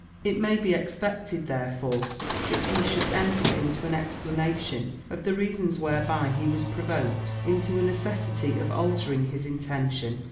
It may be expected, therefore, that he should enter into an explanation of the reasons whereby he was provoked into a necessity of altering his intention.